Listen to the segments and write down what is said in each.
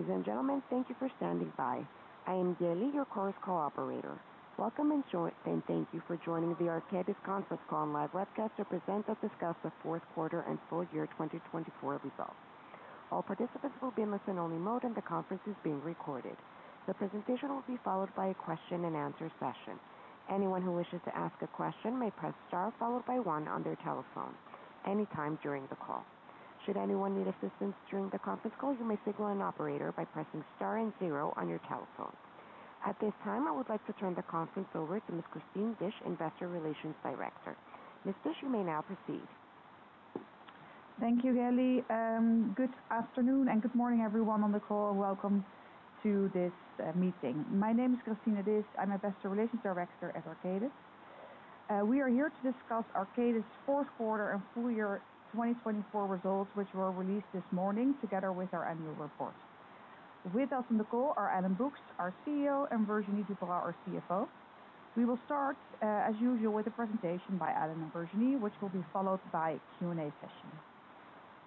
Ladies and gentlemen, thank you for standing by. I am Gayle, your Chorus Call operator. Welcome and thank you for joining the Arcadis Conference Call live webcast to present, discuss the Fourth Quarter and Full Year 2024 results. All participants will be in listen-only mode, and the conference is being recorded. The presentation will be followed by a question-and-answer session. Anyone who wishes to ask a question may press star followed by one on their telephone any time during the call. Should anyone need assistance during the conference call, you may signal an operator by pressing star and zero on your telephone. At this time, I would like to turn the conference over to Ms. Christine Disch, Investor Relations Director. Ms. Disch, you may now proceed. Thank you, Gayle. Good afternoon and good morning, everyone on the call. Welcome to this meeting. My name is Christine Disch. I'm Investor Relations Director at Arcadis. We are here to discuss Arcadis' fourth quarter and full year 2024 results, which were released this morning together with our annual report. With us on the call are Alan Brookes, our CEO, and Virginie Duperat, our CFO. We will start, as usual, with a presentation by Alan and Virginie, which will be followed by a Q&A session.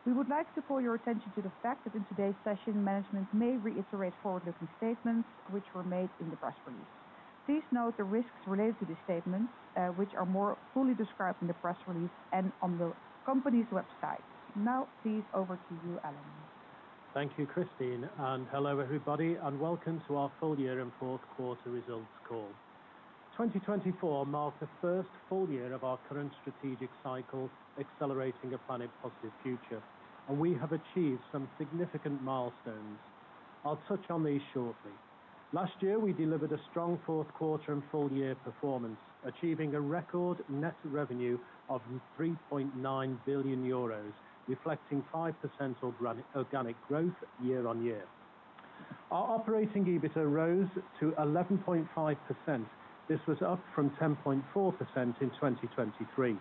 We would like to call your attention to the fact that in today's session, management may reiterate forward-looking statements which were made in the press release. Please note the risks related to these statements, which are more fully described in the press release and on the company's website. Now, please, over to you, Alan. Thank you, Christine, and hello, everybody, and welcome to our full year and fourth quarter results call. 2024 marked the first full year of our current strategic cycle, accelerating a planet-positive future, and we have achieved some significant milestones. I'll touch on these shortly. Last year, we delivered a strong fourth quarter and full year performance, achieving a record net revenue of 3.9 billion euros, reflecting 5% organic growth year on year. Our operating EBITDA rose to 11.5%. This was up from 10.4% in 2023.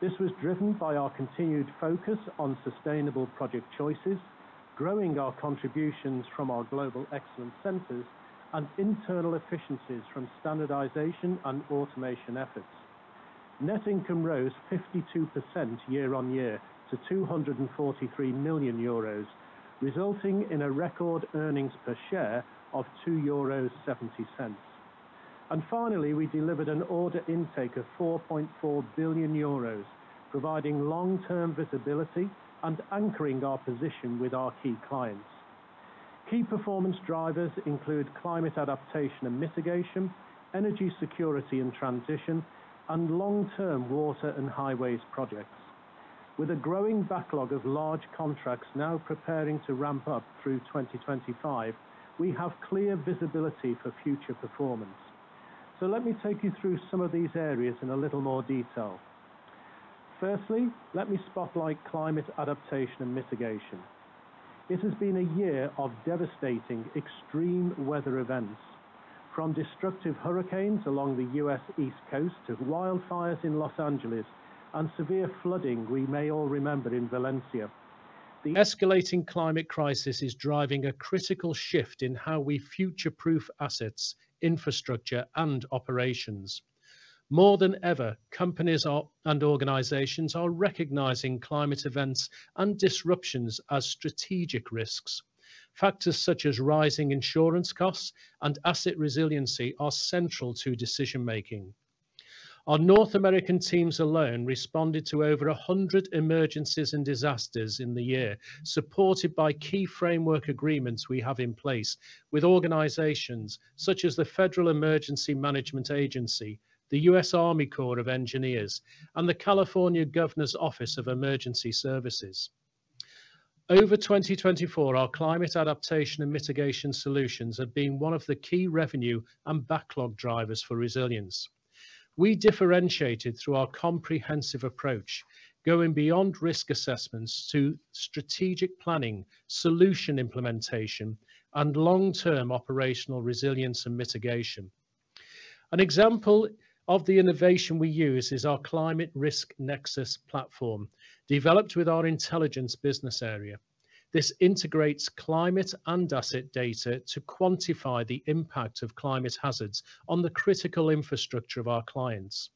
This was driven by our continued focus on sustainable project choices, growing our contributions from our global excellence centers, and internal efficiencies from standardization and automation efforts. Net income rose 52% year on year to 243 million euros, resulting in a record earnings per share of 2.70 euros. Finally, we delivered an order intake of 4.4 billion euros, providing long-term visibility and anchoring our position with our key clients. Key performance drivers include climate adaptation and mitigation, energy security and transition, and long-term water and highways projects. With a growing backlog of large contracts now preparing to ramp up through 2025, we have clear visibility for future performance. Let me take you through some of these areas in a little more detail. Firstly, let me spotlight climate adaptation and mitigation. It has been a year of devastating extreme weather events, from destructive hurricanes along the U.S. East Coast to wildfires in Los Angeles and severe flooding we may all remember in Valencia. The escalating climate crisis is driving a critical shift in how we future-proof assets, infrastructure, and operations. More than ever, companies and organizations are recognizing climate events and disruptions as strategic risks. Factors such as rising insurance costs and asset resiliency are central to decision-making. Our North American teams alone responded to over 100 emergencies and disasters in the year, supported by key framework agreements we have in place with organizations such as the Federal Emergency Management Agency, the U.S. Army Corps of Engineers, and the California Governor's Office of Emergency Services. Over 2024, our climate adaptation and mitigation solutions have been one of the key revenue and backlog drivers for Resilience. We differentiated through our comprehensive approach, going beyond risk assessments to strategic planning, solution implementation, and long-term operational resilience and mitigation. An example of the innovation we use is our Climate Risk Nexus platform, developed with our Intelligence business area. This integrates climate and asset data to quantify the impact of climate hazards on the critical infrastructure of our clients,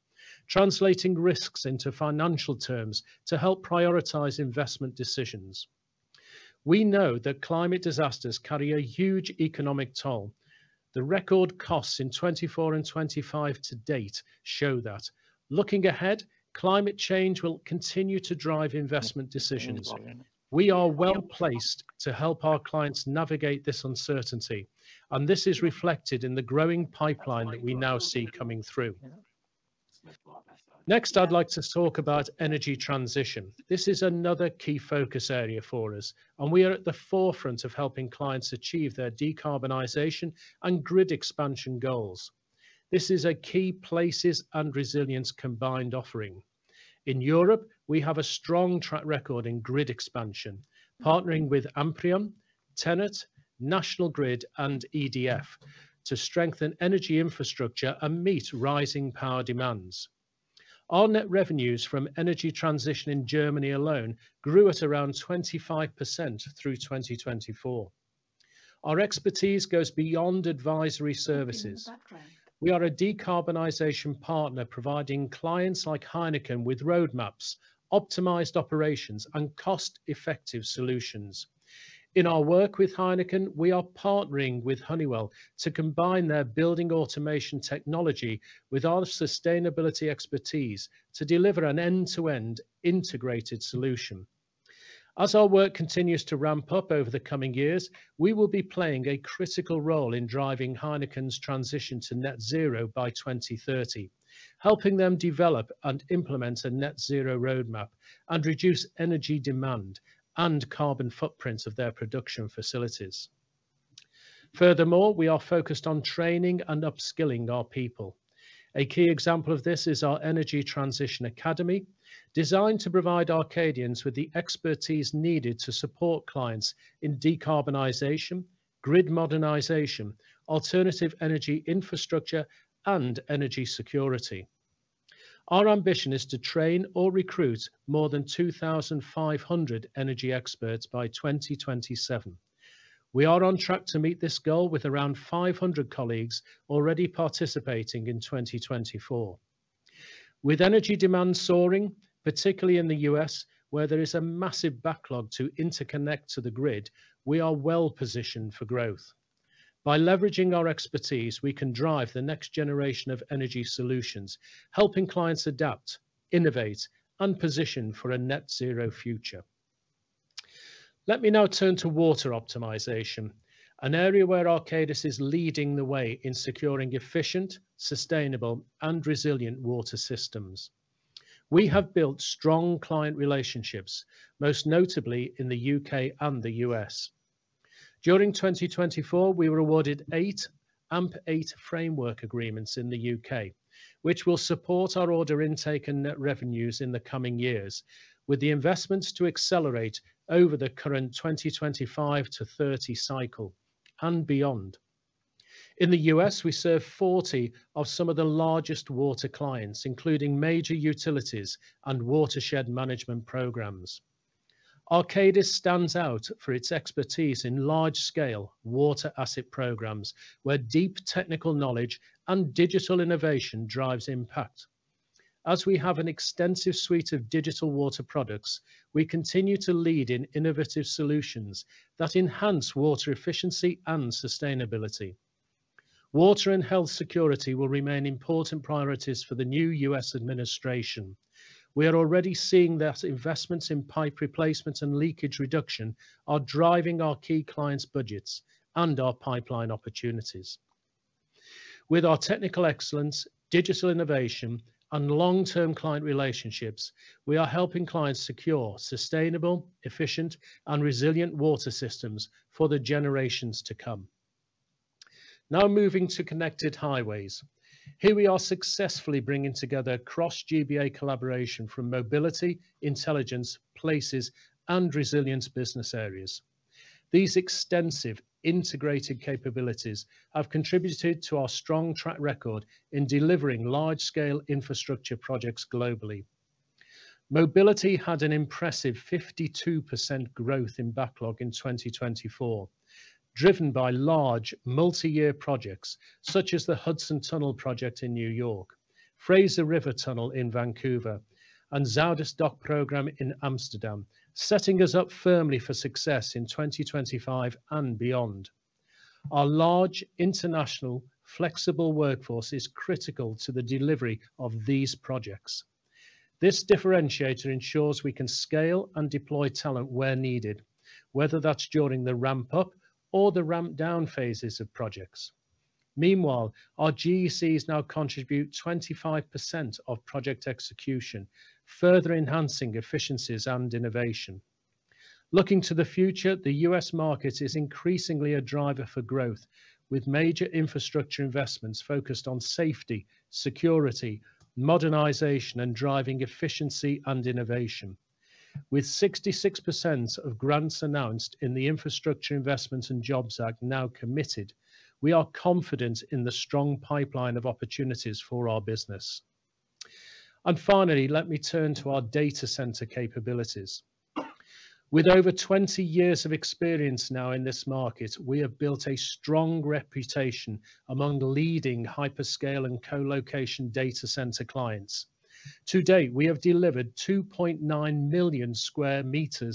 translating risks into financial terms to help prioritize investment decisions. We know that climate disasters carry a huge economic toll. The record costs in 2024 and 2025 to date show that. Looking ahead, climate change will continue to drive investment decisions. We are well placed to help our clients navigate this uncertainty, and this is reflected in the growing pipeline that we now see coming through. Next, I'd like to talk about Energy Transition. This is another key focus area for us, and we are at the forefront of helping clients achieve their decarbonization and grid expansion goals. This is a key Places and Resilience combined offering. In Europe, we have a strong track record in grid expansion, partnering with Amprion, TenneT, National Grid, and EDF to strengthen energy infrastructure and meet rising power demands. Our net revenues from Energy Transition in Germany alone grew at around 25% through 2024. Our expertise goes beyond advisory services. We are a decarbonization partner, providing clients like Heineken with roadmaps, optimized operations, and cost-effective solutions. In our work with Heineken, we are partnering with Honeywell to combine their building automation technology with our sustainability expertise to deliver an end-to-end integrated solution. As our work continues to ramp up over the coming years, we will be playing a critical role in driving Heineken's transition to net zero by 2030, helping them develop and implement a net zero roadmap and reduce energy demand and carbon footprints of their production facilities. Furthermore, we are focused on training and upskilling our people. A key example of this is our Energy Transition Academy, designed to provide Arcadians with the expertise needed to support clients in decarbonization, grid modernization, alternative energy infrastructure, and energy security. Our ambition is to train or recruit more than 2,500 energy experts by 2027. We are on track to meet this goal with around 500 colleagues already participating in 2024. With energy demand soaring, particularly in the U.S., where there is a massive backlog to interconnect to the grid, we are well positioned for growth. By leveraging our expertise, we can drive the next generation of energy solutions, helping clients adapt, innovate, and position for a net zero future. Let me now turn to water optimization, an area where Arcadis is leading the way in securing efficient, sustainable, and resilient water systems. We have built strong client relationships, most notably in the U.K. and the U.S. During 2024, we were awarded eight AMP8 framework agreements in the U.K., which will support our order intake and net revenues in the coming years, with the investments to accelerate over the current 2025 to 2030 cycle and beyond. In the U.S., we serve 40 of some of the largest water clients, including major utilities and watershed management programs. Arcadis stands out for its expertise in large-scale water asset programs, where deep technical knowledge and digital innovation drives impact. As we have an extensive suite of digital water products, we continue to lead in innovative solutions that enhance water efficiency and sustainability. Water and health security will remain important priorities for the new U.S. administration. We are already seeing that investments in pipe replacement and leakage reduction are driving our key clients' budgets and our pipeline opportunities. With our technical excellence, digital innovation, and long-term client relationships, we are helping clients secure sustainable, efficient, and resilient water systems for the generations to come. Now, moving to connected highways. Here we are successfully bringing together cross-GBA collaboration from Mobility, Intelligence, Places, and Resilience business areas. These extensive integrated capabilities have contributed to our strong track record in delivering large-scale infrastructure projects globally. Mobility had an impressive 52% growth in backlog in 2024, driven by large multi-year projects such as the Hudson Tunnel Project in New York, Fraser River Tunnel in Vancouver, and Zuidasdok program in Amsterdam, setting us up firmly for success in 2025 and beyond. Our large international flexible workforce is critical to the delivery of these projects. This differentiator ensures we can scale and deploy talent where needed, whether that's during the ramp-up or the ramp-down phases of projects. Meanwhile, our GECs now contribute 25% of project execution, further enhancing efficiencies and innovation. Looking to the future, the U.S. market is increasingly a driver for growth, with major infrastructure investments focused on safety, security, modernization, and driving efficiency and innovation. With 66% of grants announced in the Infrastructure Investment and Jobs Act now committed, we are confident in the strong pipeline of opportunities for our business. And finally, let me turn to our data center capabilities. With over 20 years of experience now in this market, we have built a strong reputation among leading hyperscale and co-location data center clients. To date, we have delivered 2.9 million sq m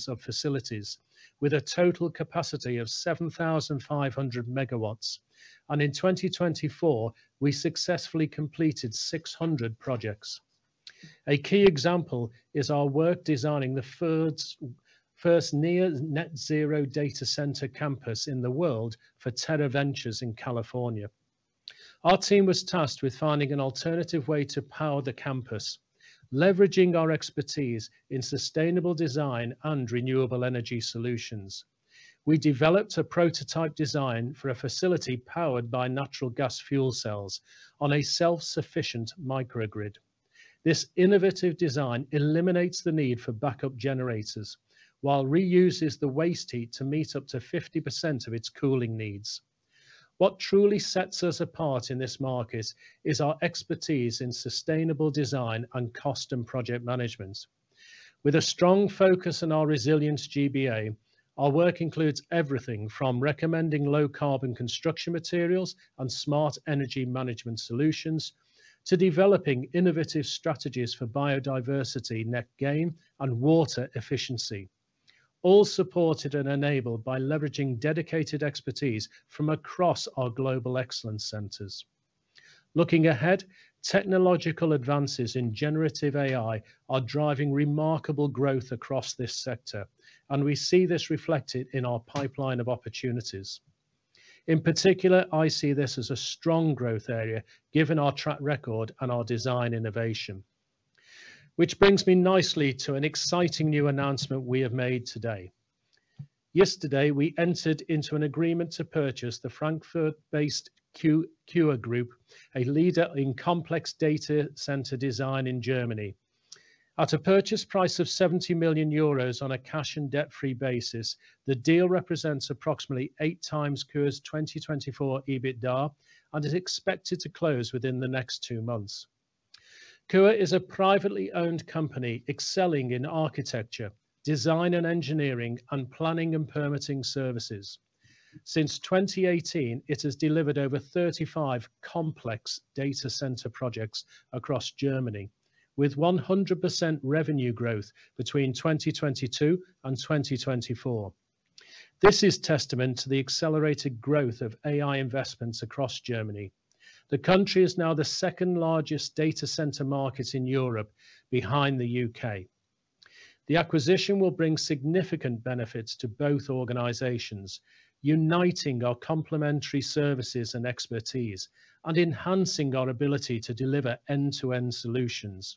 of facilities with a total capacity of 7,500 MW, and in 2024, we successfully completed 600 projects. A key example is our work designing the first near-net zero data center campus in the world for Terra Ventures in California. Our team was tasked with finding an alternative way to power the campus, leveraging our expertise in sustainable design and renewable energy solutions. We developed a prototype design for a facility powered by natural gas fuel cells on a self-sufficient microgrid. This innovative design eliminates the need for backup generators while reusing the waste heat to meet up to 50% of its cooling needs. What truly sets us apart in this market is our expertise in sustainable design and custom project management. With a strong focus on our Resilience GBA, our work includes everything from recommending low-carbon construction materials and smart energy management solutions to developing innovative strategies for biodiversity, net gain, and water efficiency, all supported and enabled by leveraging dedicated expertise from across our global excellence centers. Looking ahead, technological advances in generative AI are driving remarkable growth across this sector, and we see this reflected in our pipeline of opportunities. In particular, I see this as a strong growth area given our track record and our design innovation, which brings me nicely to an exciting new announcement we have made today. Yesterday, we entered into an agreement to purchase the Frankfurt-based KUA Group, a leader in complex data center design in Germany. At a purchase price of 70 million euros on a cash and debt-free basis, the deal represents approximately eight times KUA's 2024 EBITDA and is expected to close within the next two months. KUA is a privately owned company excelling in architecture, design and engineering, and planning and permitting services. Since 2018, it has delivered over 35 complex data center projects across Germany, with 100% revenue growth between 2022 and 2024. This is testament to the accelerated growth of AI investments across Germany. The country is now the second largest data center market in Europe, behind the U.K. The acquisition will bring significant benefits to both organizations, uniting our complementary services and expertise, and enhancing our ability to deliver end-to-end solutions.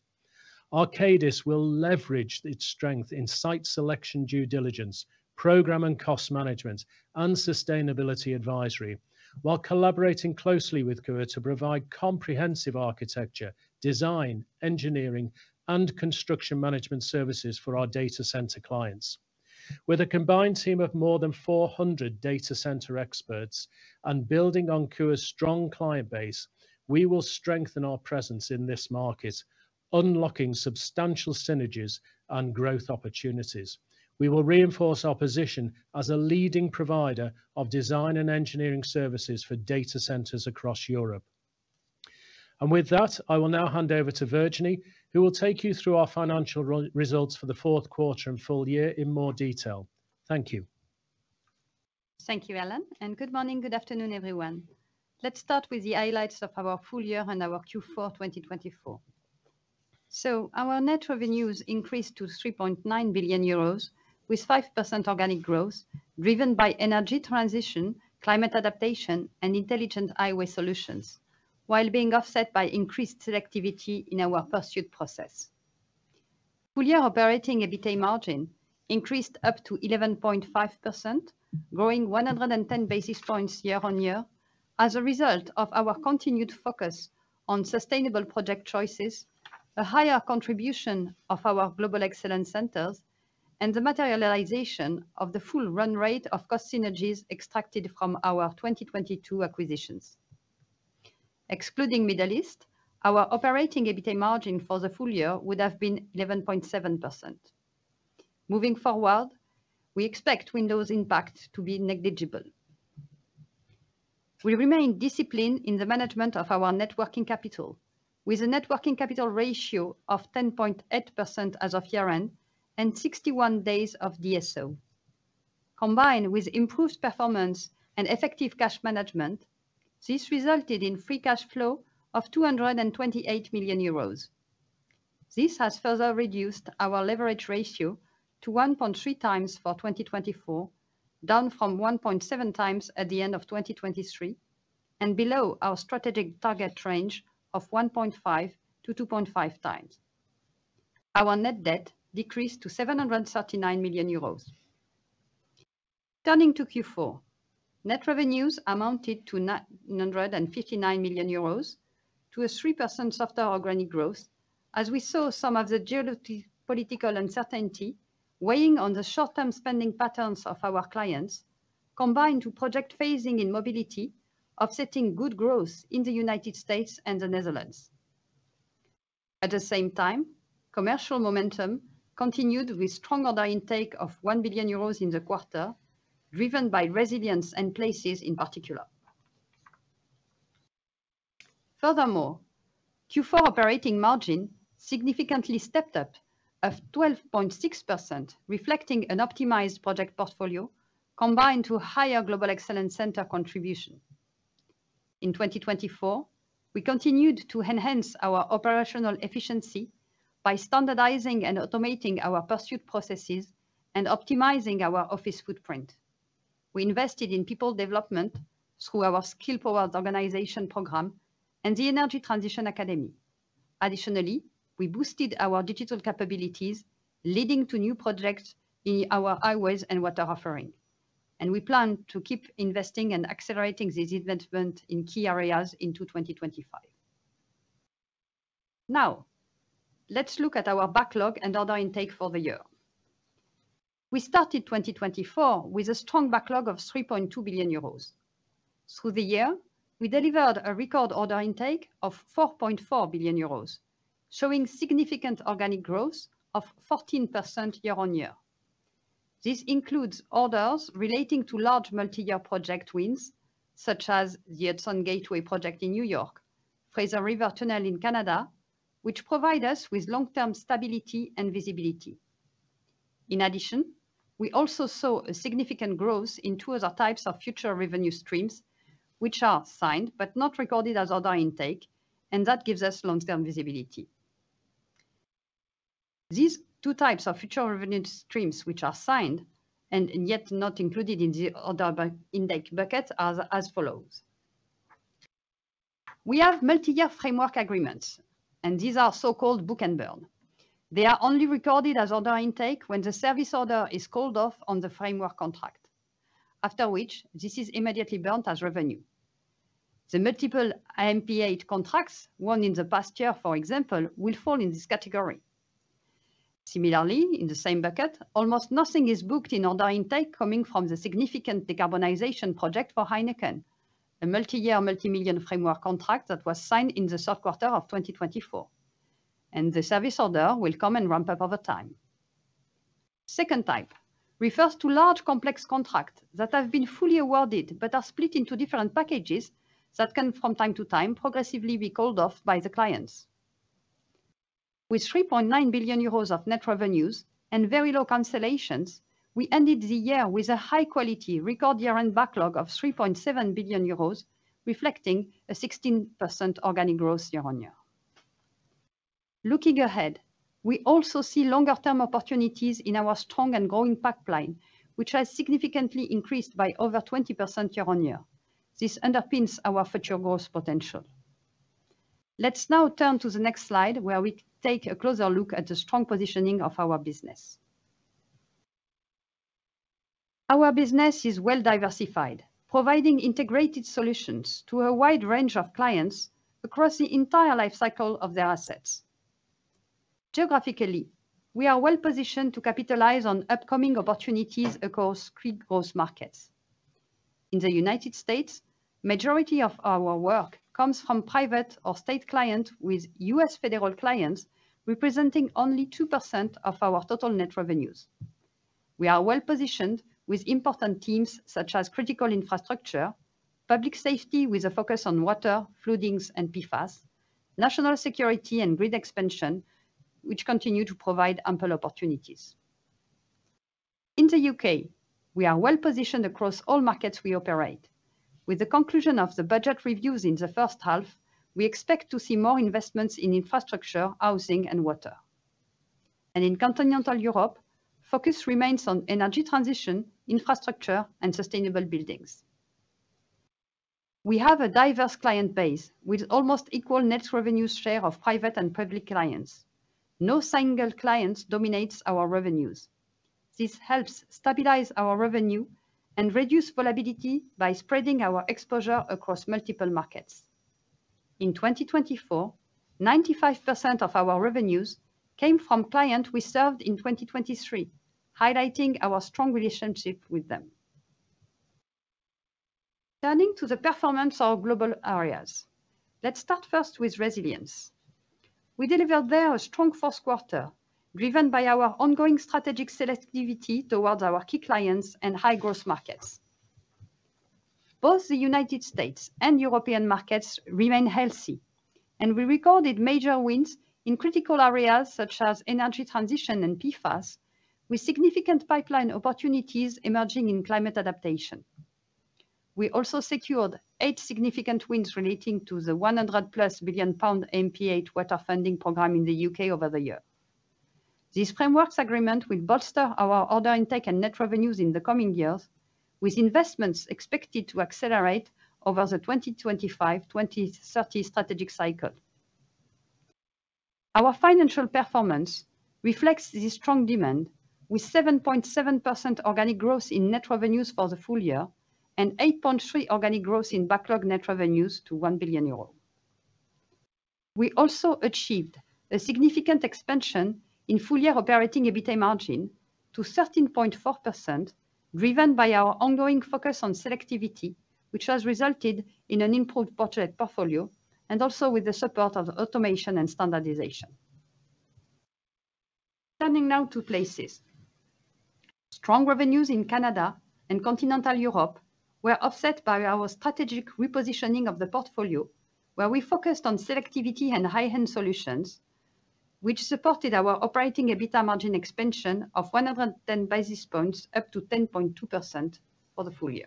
Arcadis will leverage its strength in site selection due diligence, program and cost management, and sustainability advisory, while collaborating closely with KUA to provide comprehensive architecture, design, engineering, and construction management services for our data center clients. With a combined team of more than 400 data center experts and building on KUA's strong client base, we will strengthen our presence in this market, unlocking substantial synergies and growth opportunities. We will reinforce our position as a leading provider of design and engineering services for data centers across Europe. And with that, I will now hand over to Virginie, who will take you through our financial results for the fourth quarter and full year in more detail. Thank you. Thank you, Alan. And good morning, good afternoon, everyone. Let's start with the highlights of our full year and our Q4 2024. Our net revenues increased to 3.9 billion euros, with 5% organic growth driven by Energy Transition, climate adaptation, and intelligent highway solutions, while being offset by increased selectivity in our pursuit process. Full year operating EBITDA margin increased up to 11.5%, growing 110 basis points year on year as a result of our continued focus on sustainable project choices, a higher contribution of our global excellence centers, and the materialization of the full run rate of cost synergies extracted from our 2022 acquisitions. Excluding Middle East, our operating EBITDA margin for the full year would have been 11.7%. Moving forward, we expect wind-downs impact to be negligible. We remain disciplined in the management of our net working capital, with a net working capital ratio of 10.8% as of year-end and 61 days of DSO. Combined with improved performance and effective cash management, this resulted in free cash flow of 228 million euros. This has further reduced our leverage ratio to 1.3x for 2024, down from 1.7x at the end of 2023, and below our strategic target range of 1.5x-2.5x. Our net debt decreased to 739 million euros. Turning to Q4, net revenues amounted to 959 million euros, to a 3% soft-organic growth, as we saw some of the geopolitical uncertainty weighing on the short-term spending patterns of our clients, combined with project phasing in Mobility, offsetting good growth in the United States and the Netherlands. At the same time, commercial momentum continued with strong order intake of 1 billion euros in the quarter, driven by Resilience and Places in particular. Furthermore, Q4 operating margin significantly stepped up of 12.6%, reflecting an optimized project portfolio combined with higher Global Excellence Center contribution. In 2024, we continued to enhance our operational efficiency by standardizing and automating our pursuit processes and optimizing our office footprint. We invested in people development through our Skills Powered Organization program and the Energy Transition Academy. Additionally, we boosted our digital capabilities, leading to new projects in our highways and water offering, and we plan to keep investing and accelerating these investments in key areas into 2025. Now, let's look at our backlog and order intake for the year. We started 2024 with a strong backlog of 3.2 billion euros. Through the year, we delivered a record order intake of 4.4 billion euros, showing significant organic growth of 14% year-on-year. This includes orders relating to large multi-year project wins, such as the Hudson Tunnel project in New York, Fraser River Tunnel in Canada, which provide us with long-term stability and visibility. In addition, we also saw a significant growth in two other types of future revenue streams, which are signed but not recorded as order intake, and that gives us long-term visibility. These two types of future revenue streams, which are signed and yet not included in the order intake bucket, are as follows. We have multi-year framework agreements, and these are so-called book and burn. They are only recorded as order intake when the service order is called off on the framework contract, after which this is immediately burnt as revenue. The multiple AMP8 contracts, won in the past year, for example, will fall in this category. Similarly, in the same bucket, almost nothing is booked in order intake coming from the significant decarbonization project for Heineken, a multi-year multi-million framework contract that was signed in the third quarter of 2024. The service order will come and ramp up over time. Second type refers to large complex contracts that have been fully awarded but are split into different packages that can, from time to time, progressively be called off by the clients. With 3.9 billion euros of net revenues and very low cancellations, we ended the year with a high-quality record year-end backlog of 3.7 billion euros, reflecting a 16% organic growth year on year. Looking ahead, we also see longer-term opportunities in our strong and growing pipeline, which has significantly increased by over 20% year on year. This underpins our future growth potential. Let's now turn to the next slide, where we take a closer look at the strong positioning of our business. Our business is well-diversified, providing integrated solutions to a wide range of clients across the entire life cycle of their assets. Geographically, we are well-positioned to capitalize on upcoming opportunities across key growth markets. In the United States, the majority of our work comes from private or state clients, with U.S. federal clients representing only 2% of our total net revenues. We are well-positioned with important teams such as critical infrastructure, public safety with a focus on water, floodings, and PFAS, national security, and grid expansion, which continue to provide ample opportunities. In the U.K., we are well-positioned across all markets we operate. With the conclusion of the budget reviews in the first half, we expect to see more investments in infrastructure, housing, and water. And in Continental Europe, the focus remains on energy transition, infrastructure, and sustainable buildings. We have a diverse client base with almost equal net revenue share of private and public clients. No single client dominates our revenues. This helps stabilize our revenue and reduce volatility by spreading our exposure across multiple markets. In 2024, 95% of our revenues came from clients we served in 2023, highlighting our strong relationship with them. Turning to the performance of global areas, let's start first with Resilience. We delivered there a strong fourth quarter, driven by our ongoing strategic selectivity towards our key clients and high-growth markets. Both the United States and European markets remain healthy, and we recorded major wins in critical areas such as Energy Transition and PFAS, with significant pipeline opportunities emerging in climate adaptation. We also secured eight significant wins relating to the 100+ billion pound AMP8 water funding program in the U.K. over the year. These framework agreements will bolster our order intake and net revenues in the coming years, with investments expected to accelerate over the 2025-2030 strategic cycle. Our financial performance reflects this strong demand, with 7.7% organic growth in net revenues for the full year and 8.3% organic growth in backlog net revenues to 1 billion euros. We also achieved a significant expansion in full-year operating EBITDA margin to 13.4%, driven by our ongoing focus on selectivity, which has resulted in an improved portfolio and also with the support of automation and standardization. Turning now to Places, strong revenues in Canada and Continental Europe were offset by our strategic repositioning of the portfolio, where we focused on selectivity and high-end solutions, which supported our operating EBITDA margin expansion of 110 basis points up to 10.2% for the full year.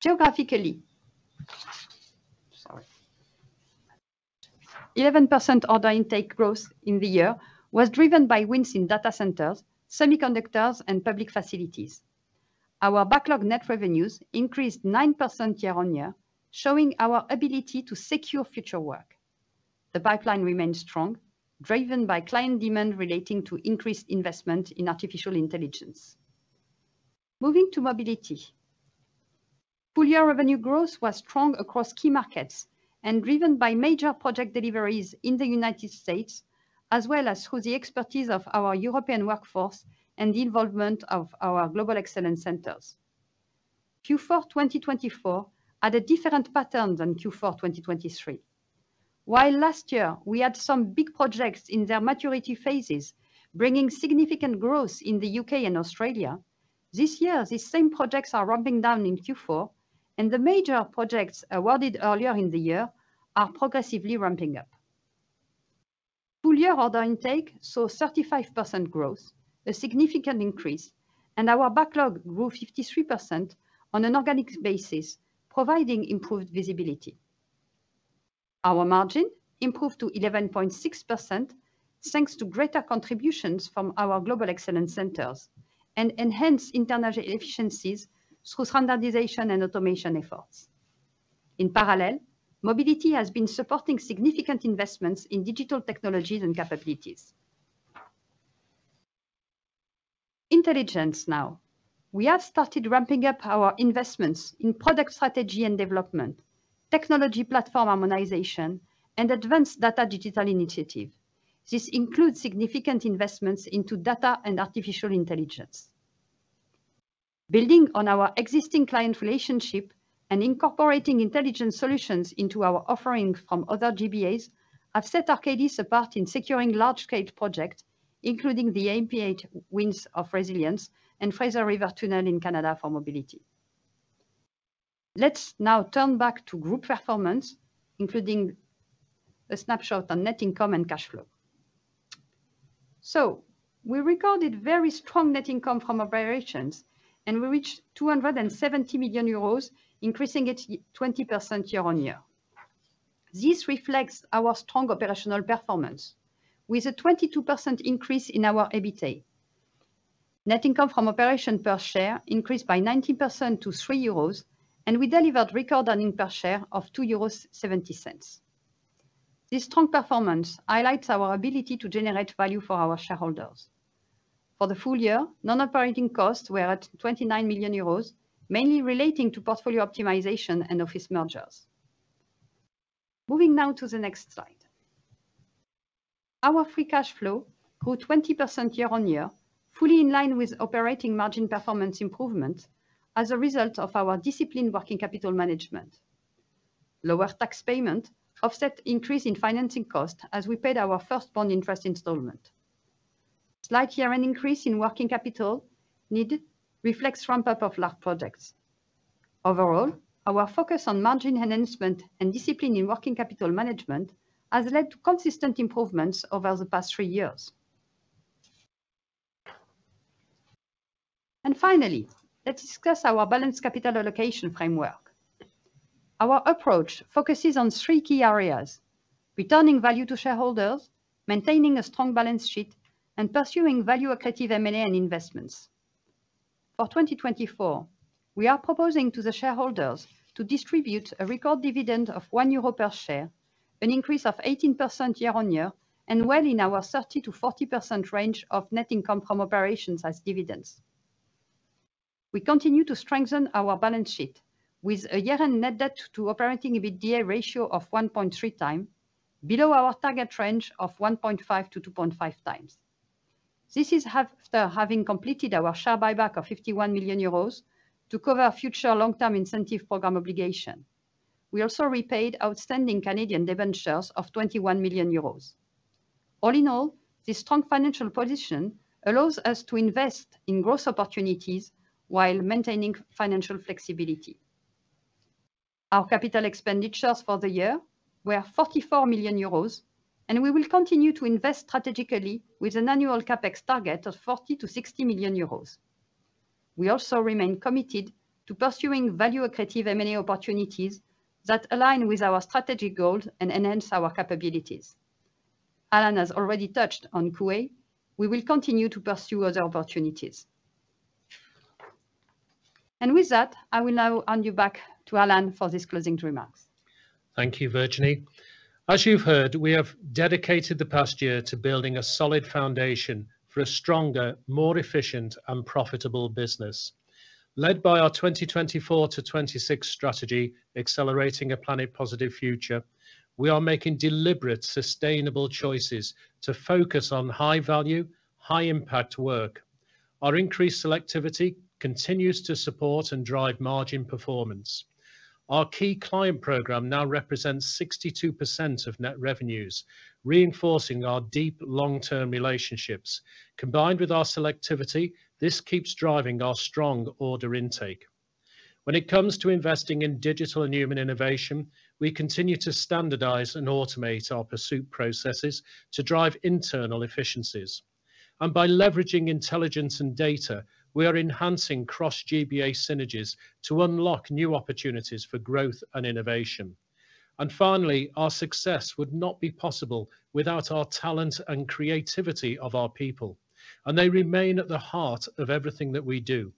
Geographically, sorry, 11% order intake growth in the year was driven by wins in data centers, semiconductors, and public facilities. Our backlog net revenues increased 9% year-on-year, showing our ability to secure future work. The pipeline remained strong, driven by client demand relating to increased investment in artificial intelligence. Moving to Mobility, full-year revenue growth was strong across key markets and driven by major project deliveries in the United States, as well as through the expertise of our European workforce and the involvement of our global excellence centers. Q4 2024 had a different pattern than Q4 2023. While last year we had some big projects in their maturity phases, bringing significant growth in the U.K. and Australia, this year these same projects are ramping down in Q4, and the major projects awarded earlier in the year are progressively ramping up. Full-year order intake saw 35% growth, a significant increase, and our backlog grew 53% on an organic basis, providing improved visibility. Our margin improved to 11.6% thanks to greater contributions from our global excellence centers and enhanced international efficiencies through standardization and automation efforts. In parallel, Mobility has been supporting significant investments in digital technologies and capabilities. Intelligence now. We have started ramping up our investments in product strategy and development, technology platform harmonization, and advanced data digital initiative. This includes significant investments into data and artificial intelligence. Building on our existing client relationship and incorporating Intelligence solutions into our offering from other GBAs have set Arcadis apart in securing large-scale projects, including the AMP8 wins of Resilience and Fraser River Tunnel in Canada for Mobility. Let's now turn back to group performance, including a snapshot on net income and cash flow. So we recorded very strong net income from operations, and we reached 270 million euros, increasing it 20% year-on-year. This reflects our strong operational performance, with a 22% increase in our EBITDA. Net income from operations per share increased by 19% to 3 euros, and we delivered record earnings per share of 2.70 euros. This strong performance highlights our ability to generate value for our shareholders. For the full year, non-operating costs were at 29 million euros, mainly relating to portfolio optimization and office mergers. Moving now to the next slide. Our free cash flow grew 20% year-on-year, fully in line with operating margin performance improvements as a result of our disciplined working capital management. Lower tax payment offset increase in financing costs as we paid our first bond interest installment. Slight year-end increase in working capital needed reflects ramp-up of large projects. Overall, our focus on margin enhancement and discipline in working capital management has led to consistent improvements over the past three years. And finally, let's discuss our balanced capital allocation framework. Our approach focuses on three key areas: returning value to shareholders, maintaining a strong balance sheet, and pursuing value-accretive M&A and investments. For 2024, we are proposing to the shareholders to distribute a record dividend of 1 euro per share, an increase of 18% year-on-year, and well in our 30%-40% range of net income from operations as dividends. We continue to strengthen our balance sheet with a year-end net debt to operating EBITDA ratio of 1.3x, below our target range of 1.5x-2.5x. This is after having completed our share buyback of 51 million euros to cover future long-term incentive program obligations. We also repaid outstanding Canadian debentures of 21 million euros. All in all, this strong financial position allows us to invest in growth opportunities while maintaining financial flexibility. Our capital expenditures for the year were 44 million euros, and we will continue to invest strategically with an annual CapEx target of 40 million-60 million euros. We also remain committed to pursuing value-accretive M&A opportunities that align with our strategic goals and enhance our capabilities. Alan has already touched on KUA. We will continue to pursue other opportunities, and with that, I will now hand you back to Alan for his closing remarks. Thank you, Virginie. As you've heard, we have dedicated the past year to building a solid foundation for a stronger, more efficient, and profitable business. Led by our 2024 to 2026 strategy, accelerating a planet-positive future, we are making deliberate, sustainable choices to focus on high-value, high-impact work. Our increased selectivity continues to support and drive margin performance. Our key client program now represents 62% of net revenues, reinforcing our deep long-term relationships. Combined with our selectivity, this keeps driving our strong order intake. When it comes to investing in digital and human innovation, we continue to standardize and automate our pursuit processes to drive internal efficiencies, and by leveraging Intelligence and data, we are enhancing cross-GBA synergies to unlock new opportunities for growth and innovation, and finally, our success would not be possible without our talent and creativity of our people, and they remain at the heart of everything that we do.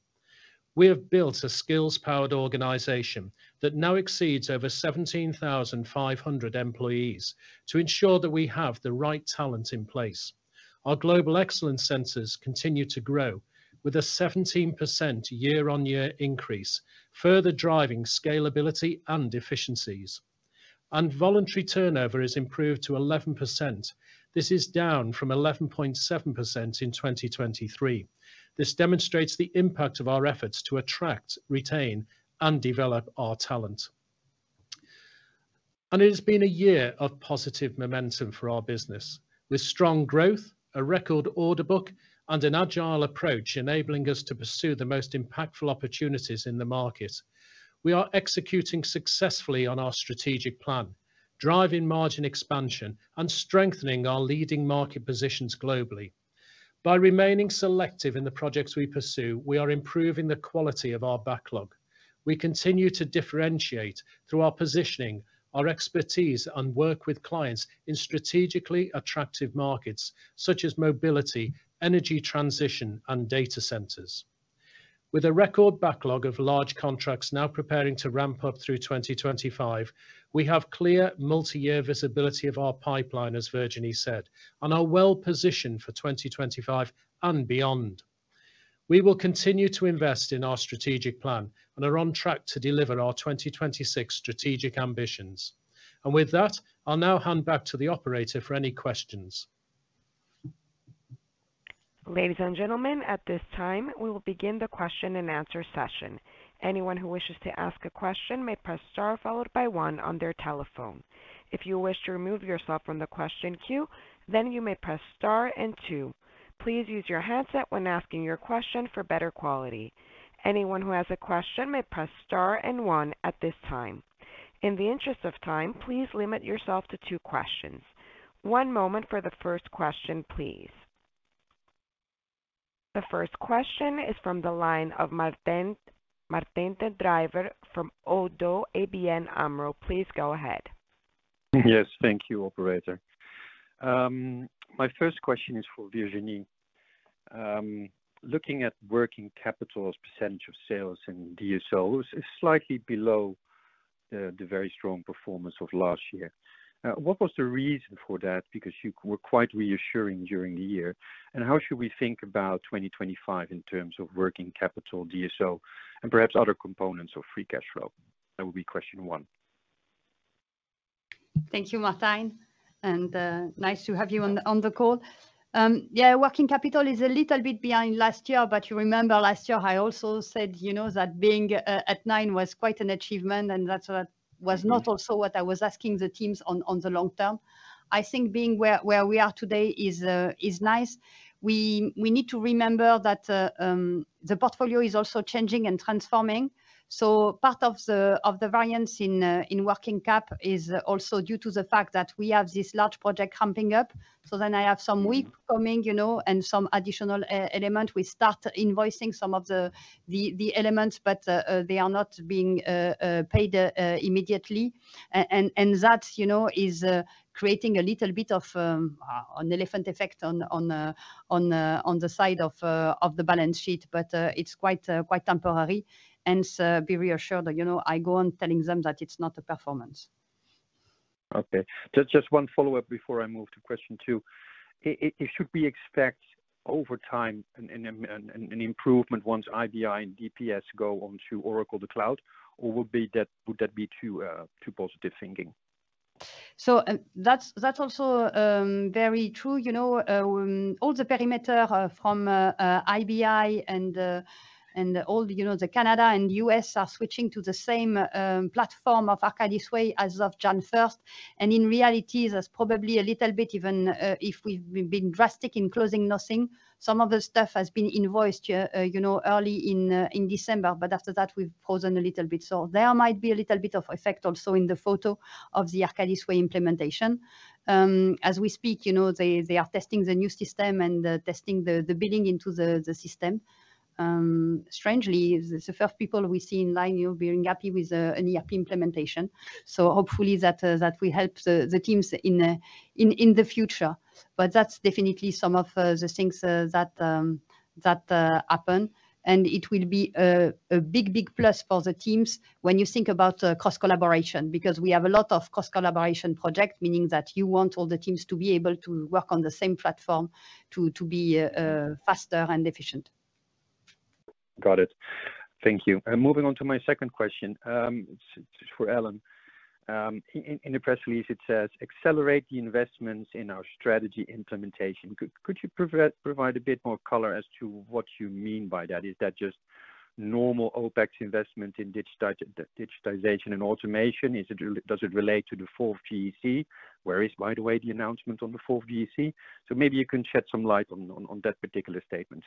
We have built a Skills Powered Organization that now exceeds over 17,500 employees to ensure that we have the right talent in place. Our Global Excellence Centers continue to grow with a 17% year-on-year increase, further driving scalability and efficiencies, and voluntary turnover has improved to 11%. This is down from 11.7% in 2023. This demonstrates the impact of our efforts to attract, retain, and develop our talent. It has been a year of positive momentum for our business, with strong growth, a record order book, and an agile approach enabling us to pursue the most impactful opportunities in the market. We are executing successfully on our strategic plan, driving margin expansion, and strengthening our leading market positions globally. By remaining selective in the projects we pursue, we are improving the quality of our backlog. We continue to differentiate through our positioning, our expertise, and work with clients in strategically attractive markets such as Mobility, Energy Transition, and data centers. With a record backlog of large contracts now preparing to ramp up through 2025, we have clear multi-year visibility of our pipeline, as Virginie said, and are well-positioned for 2025 and beyond. We will continue to invest in our strategic plan and are on track to deliver our 2026 strategic ambitions. And with that, I'll now hand back to the operator for any questions. Ladies and gentlemen, at this time, we will begin the question-and-answer session. Anyone who wishes to ask a question may press star followed by one on their telephone. If you wish to remove yourself from the question queue, then you may press star and two. Please use your handset when asking your question for better quality. Anyone who has a question may press star and one at this time. In the interest of time, please limit yourself to two questions. One moment for the first question, please. The first question is from the line of Martijn den Drijver from ODDO ABN AMRO. Please go ahead. Yes, thank you, Operator. My first question is for Virginie. Looking at working capital as a percentage of sales in DSO, it's slightly below the very strong performance of last year. What was the reason for that? Because you were quite reassuring during the year. How should we think about 2025 in terms of working capital, DSO, and perhaps other components of free cash flow? That would be question one. Thank you, Martijn. Nice to have you on the call. Yeah, working capital is a little bit behind last year, but you remember last year I also said that being at nine was quite an achievement, and that was not also what I was asking the teams on the long term. I think being where we are today is nice. We need to remember that the portfolio is also changing and transforming. So part of the variance in working cap is also due to the fact that we have this large project ramping up. So then I have some WIP coming and some additional elements. We start invoicing some of the elements, but they are not being paid immediately. That is creating a little bit of an elephant effect on the side of the balance sheet, but it's quite temporary. Be reassured, I go on telling them that it's not a performance. Okay. Just one follow-up before I move to question two. Should we expect over time an improvement once IBI and DPS go on to Oracle the Cloud, or would that be too positive thinking? That's also very true. All the perimeter from IBI and all the Canada and U.S. are switching to the same platform of Arcadis Way as of January 1st. In reality, there's probably a little bit even if we've been drastic in closing nothing, some of the stuff has been invoiced early in December, but after that, we've frozen a little bit. So there might be a little bit of effect also in the rollout of the Arcadis Way implementation. As we speak, they are testing the new system and testing the billing into the system. Strangely, the first people we see online will be happy with an ERP implementation. So hopefully that will help the teams in the future. But that's definitely some of the things that happen. And it will be a big, big plus for the teams when you think about cross-collaboration because we have a lot of cross-collaboration projects, meaning that you want all the teams to be able to work on the same platform to be faster and efficient. Got it. Thank you. And moving on to my second question for Alan. In the press release, it says, "Accelerate the investments in our strategy implementation." Could you provide a bit more color as to what you mean by that? Is that just normal OpEx investment in digitization and automation? Does it relate to the fourth GEC? Where is, by the way, the announcement on the fourth GEC? So maybe you can shed some light on that particular statement.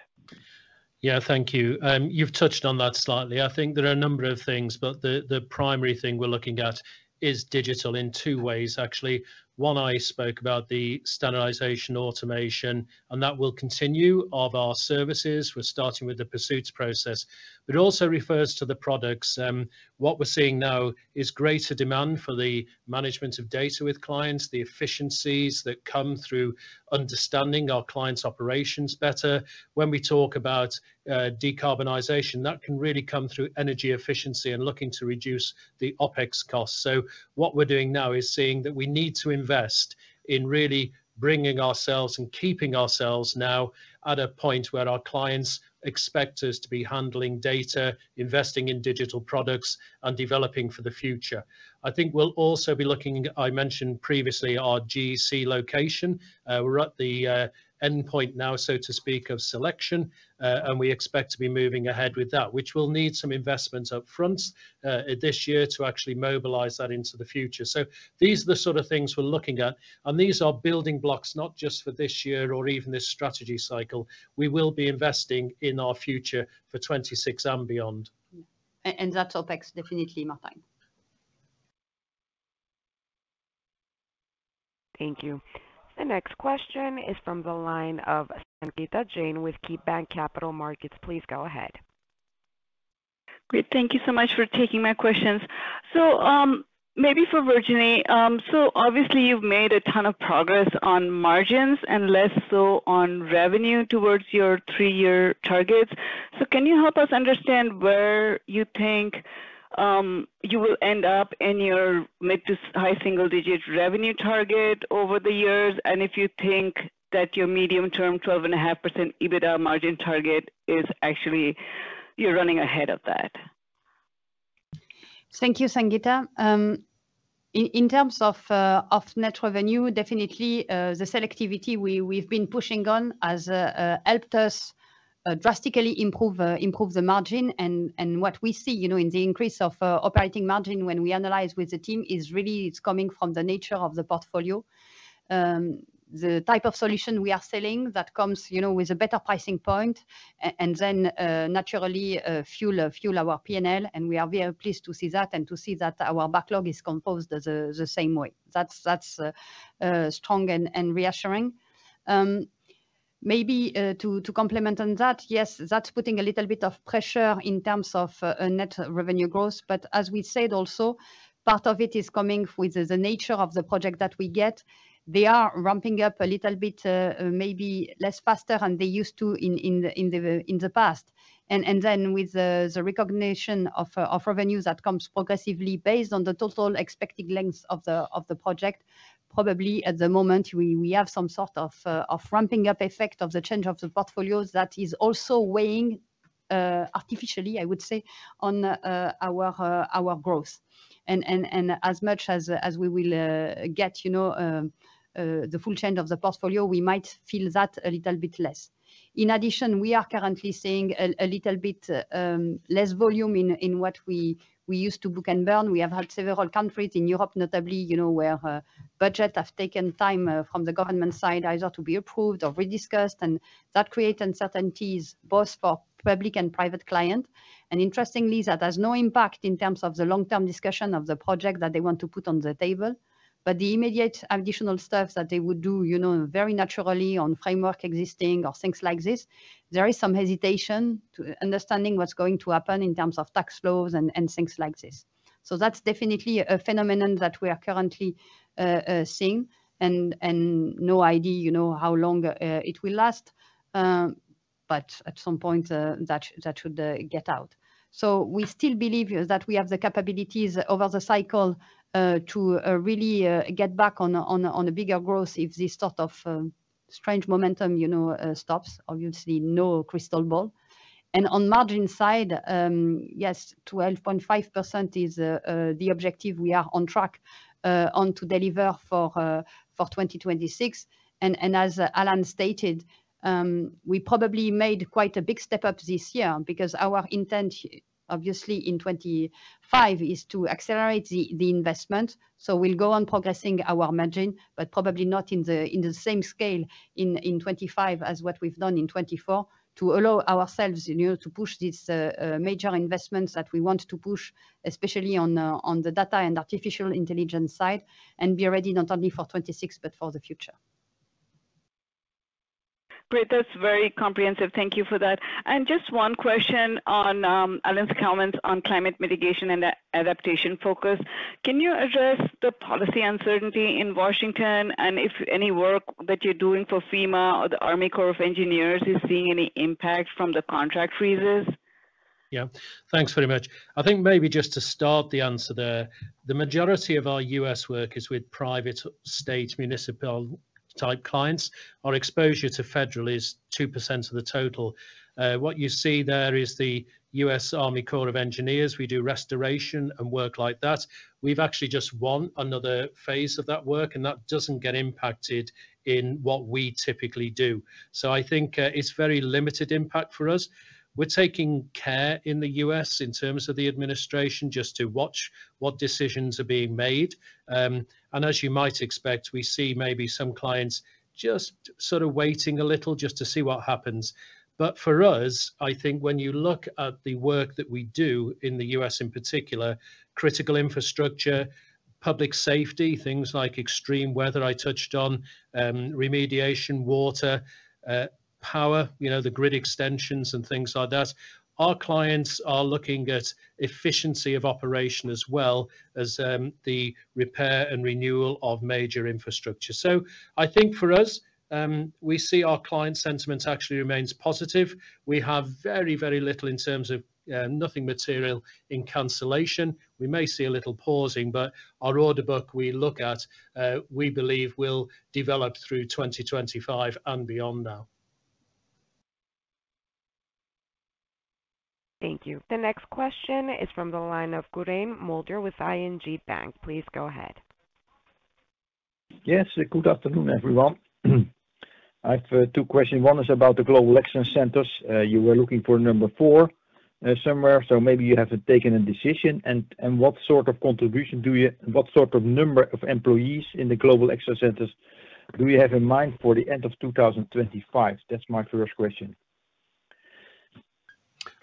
Yeah, thank you. You've touched on that slightly. I think there are a number of things, but the primary thing we're looking at is digital in two ways, actually. One, I spoke about the standardization automation, and that will continue of our services. We're starting with the pursuits process, but it also refers to the products. What we're seeing now is greater demand for the management of data with clients, the efficiencies that come through understanding our clients' operations better. When we talk about decarbonization, that can really come through energy efficiency and looking to reduce the OpEx costs. So what we're doing now is seeing that we need to invest in really bringing ourselves and keeping ourselves now at a point where our clients expect us to be handling data, investing in digital products, and developing for the future. I think we'll also be looking, I mentioned previously, our GEC location. We're at the endpoint now, so to speak, of selection, and we expect to be moving ahead with that, which will need some investments upfront this year to actually mobilize that into the future. So these are the sort of things we're looking at, and these are building blocks not just for this year or even this strategy cycle. We will be investing in our future for 2026 and beyond. And that's OpEx, definitely, Martijn. Thank you. The next question is from the line of Sangita Jain with KeyBanc Capital Markets. Please go ahead. Great. Thank you so much for taking my questions. So maybe for Virginie, so obviously, you've made a ton of progress on margins and less so on revenue towards your three-year targets. So can you help us understand where you think you will end up in your mid to high single-digit revenue target over the years and if you think that your medium-term 12.5% EBITDA margin target is actually you're running ahead of that? Thank you, Sangita. In terms of net revenue, definitely the selectivity we've been pushing on has helped us drastically improve the margin. And what we see in the increase of operating margin when we analyze with the team is really it's coming from the nature of the portfolio. The type of solution we are selling that comes with a better pricing point and then naturally fuel our P&L, and we are very pleased to see that and to see that our backlog is composed the same way. That's strong and reassuring. Maybe to complement on that, yes, that's putting a little bit of pressure in terms of net revenue growth, but as we said also, part of it is coming with the nature of the project that we get. They are ramping up a little bit maybe less faster than they used to in the past. And then with the recognition of revenues that comes progressively based on the total expected length of the project, probably at the moment we have some sort of ramping up effect of the change of the portfolios that is also weighing artificially, I would say, on our growth. As much as we will get the full change of the portfolio, we might feel that a little bit less. In addition, we are currently seeing a little bit less volume in what we used to book and burn. We have had several countries in Europe, notably, where budgets have taken time from the government side either to be approved or re-discussed, and that creates uncertainties both for public and private clients. Interestingly, that has no impact in terms of the long-term discussion of the project that they want to put on the table. The immediate additional stuff that they would do very naturally on existing frameworks or things like this, there is some hesitation to understanding what's going to happen in terms of cash flows and things like this. That's definitely a phenomenon that we are currently seeing and no idea how long it will last, but at some point, that should get out. We still believe that we have the capabilities over the cycle to really get back on a bigger growth if this sort of strange momentum stops. Obviously, no crystal ball. On margin side, yes, 12.5% is the objective we are on track on to deliver for 2026. As Alan stated, we probably made quite a big step up this year because our intent, obviously, in 2025 is to accelerate the investment. So we'll go on progressing our margin, but probably not in the same scale in 2025 as what we've done in 2024 to allow ourselves to push these major investments that we want to push, especially on the data and artificial intelligence side, and be ready not only for 2026, but for the future. Great. That's very comprehensive. Thank you for that. And just one question on Alan's comments on climate mitigation and adaptation focus. Can you address the policy uncertainty in Washington and if any work that you're doing for FEMA or the U.S. Army Corps of Engineers is seeing any impact from the contract freezes? Yeah. Thanks very much. I think maybe just to start the answer there, the majority of our U.S. work is with private state municipal type clients. Our exposure to federal is 2% of the total. What you see there is the U.S. Army Corps of Engineers. We do restoration and work like that. We've actually just won another phase of that work, and that doesn't get impacted in what we typically do. So I think it's very limited impact for us. We're taking care in the U.S. in terms of the administration just to watch what decisions are being made. And as you might expect, we see maybe some clients just sort of waiting a little just to see what happens. But for us, I think when you look at the work that we do in the U.S. in particular, critical infrastructure, public safety, things like extreme weather I touched on, remediation, water, power, the grid extensions and things like that, our clients are looking at efficiency of operation as well as the repair and renewal of major infrastructure. So I think for us, we see our client sentiment actually remains positive. We have very, very little in terms of nothing material in cancellation. We may see a little pausing, but our order book we look at, we believe, will develop through 2025 and beyond now. Thank you. The next question is from the line of Quirijn Mulder with ING Bank. Please go ahead. Yes. Good afternoon, everyone. I have two questions. One is about the Global Excellence Centers. You were looking for number four somewhere, so maybe you haven't taken a decision. And what sort of number of employees in the Global Excellence Centers do you have in mind for the end of 2025? That is my first question.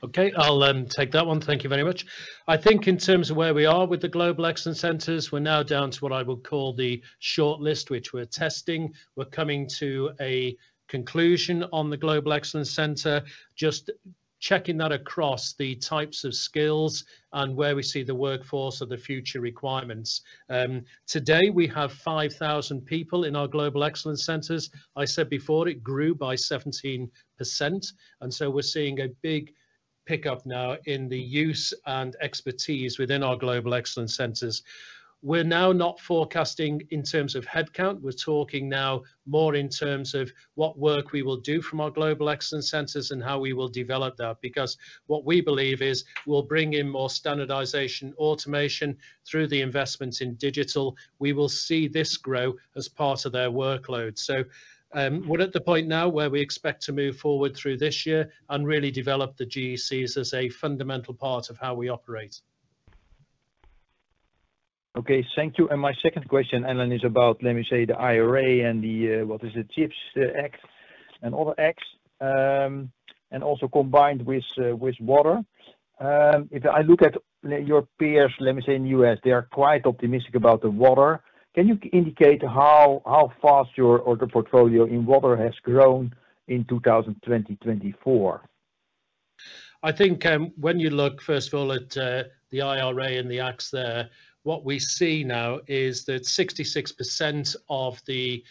Okay. I will take that one. Thank you very much. I think in terms of where we are with the Global Excellence Centers, we're now down to what I would call the shortlist, which we're testing. We're coming to a conclusion on the Global Excellence Center. Just checking that across the types of skills and where we see the workforce or the future requirements. Today, we have 5,000 people in our Global Excellence Centers. I said before it grew by 17%. And so we're seeing a big pickup now in the use and expertise within our Global Excellence Centers. We're now not forecasting in terms of headcount. We're talking now more in terms of what work we will do from our Global Excellence Centers and how we will develop that because what we believe is we'll bring in more standardization automation through the investments in digital. We will see this grow as part of their workload. So we're at the point now where we expect to move forward through this year and really develop the GECs as a fundamental part of how we operate. Okay. Thank you. And my second question, Alan, is about, let me say, the IRA and what is it, Chips Act and other acts, and also combined with water. If I look at your peers, let me say, in the U.S., they are quite optimistic about the water. Can you indicate how fast your portfolio in water has grown in 2020-2024? I think when you look, first of all, at the IRA and the acts there, what we see now is that 66% of the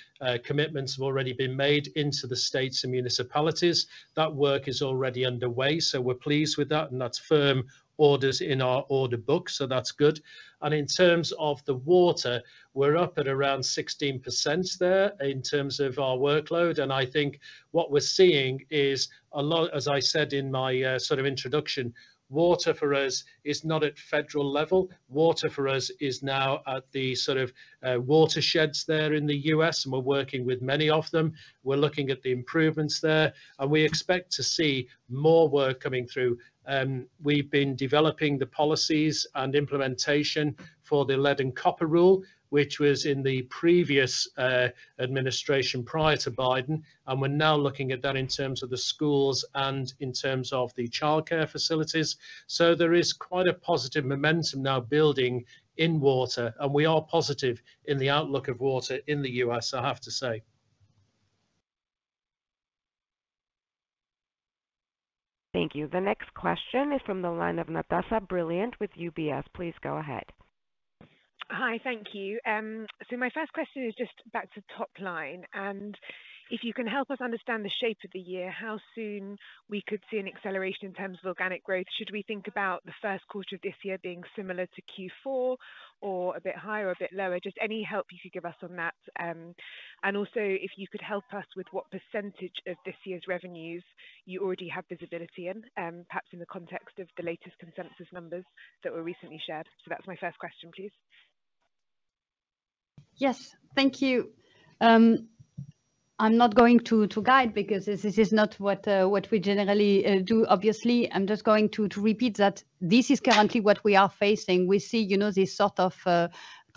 commitments have already been made into the states and municipalities. That work is already underway. So we're pleased with that. And that's firm orders in our order book. So that's good. In terms of the water, we're up at around 16% there in terms of our workload. I think what we're seeing is a lot, as I said in my sort of introduction, water for us is not at federal level. Water for us is now at the sort of watersheds there in the U.S., and we're working with many of them. We're looking at the improvements there, and we expect to see more work coming through. We've been developing the policies and implementation for the Lead and Copper Rule, which was in the previous administration prior to Biden. We're now looking at that in terms of the schools and in terms of the childcare facilities. There is quite a positive momentum now building in water, and we are positive in the outlook of water in the U.S., I have to say. Thank you. The next question is from the line of Natasha Brilliant with UBS. Please go ahead. Hi. Thank you. So my first question is just back to top line. And if you can help us understand the shape of the year, how soon we could see an acceleration in terms of organic growth, should we think about the first quarter of this year being similar to Q4 or a bit higher or a bit lower? Just any help you could give us on that. And also, if you could help us with what percentage of this year's revenues you already have visibility in, perhaps in the context of the latest consensus numbers that were recently shared. So that's my first question, please. Yes. Thank you. I'm not going to guide because this is not what we generally do, obviously. I'm just going to repeat that this is currently what we are facing. We see this sort of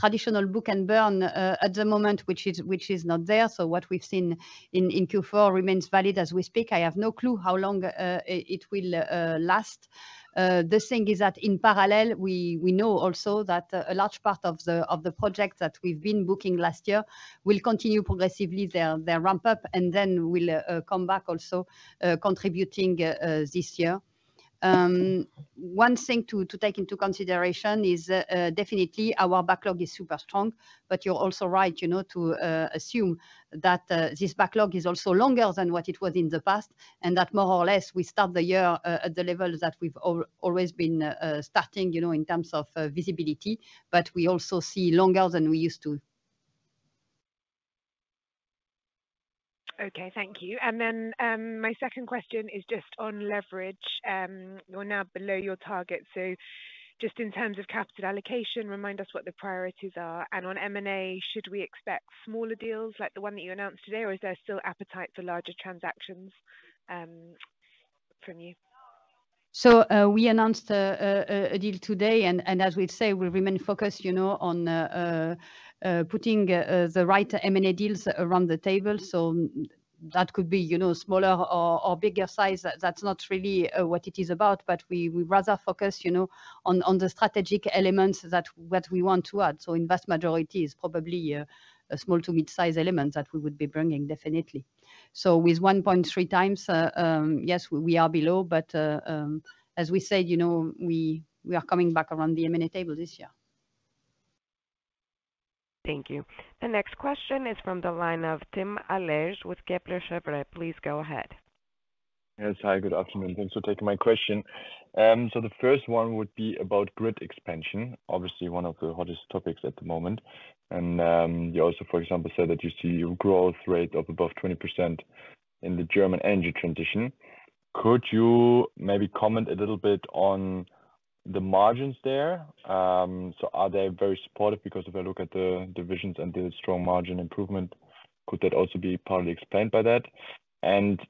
traditional book and burn at the moment, which is not there. So what we've seen in Q4 remains valid as we speak. I have no clue how long it will last. The thing is that in parallel, we know also that a large part of the project that we've been booking last year will continue progressively their ramp-up, and then will come back also contributing this year. One thing to take into consideration is definitely our backlog is super strong, but you're also right to assume that this backlog is also longer than what it was in the past and that more or less we start the year at the level that we've always been starting in terms of visibility, but we also see longer than we used to. Okay. Thank you. My second question is just on leverage. We're now below your target. Just in terms of capital allocation, remind us what the priorities are. On M&A, should we expect smaller deals like the one that you announced today, or is there still appetite for larger transactions from you? We announced a deal today, and as we've said, we remain focused on putting the right M&A deals around the table. That could be smaller or bigger size. That's not really what it is about, but we rather focus on the strategic elements that we want to add. The vast majority is probably a small to mid-size element that we would be bringing, definitely. With 1.3x, yes, we are below, but as we said, we are coming back around the M&A table this year. Thank you. The next question is from the line of Tim Ehlers with Kepler Cheuvreux. Please go ahead. Yes. Hi. Good afternoon. Thanks for taking my question. So the first one would be about grid expansion, obviously one of the hottest topics at the moment. And you also, for example, said that you see a growth rate of above 20% in the German Energy Transition. Could you maybe comment a little bit on the margins there? So are they very supportive because if I look at the divisions and the strong margin improvement, could that also be partly explained by that? And